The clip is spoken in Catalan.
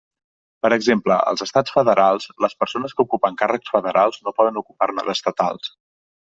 Per exemple, als estats federals, les persones que ocupen càrrecs federals no poden ocupar-ne d'estatals.